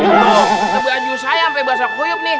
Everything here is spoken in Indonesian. ngejar aja ustaz ya sampai bahasa kuyuk nih